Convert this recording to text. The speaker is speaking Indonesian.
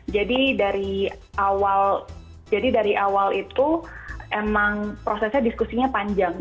jadi dari awal jadi dari awal itu emang prosesnya diskusinya panjang